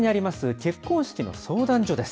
結婚式の相談所です。